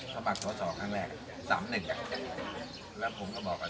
สมัครศาสตร์สองครั้งแรกสามหนึ่งครับแล้วผมก็บอกกับ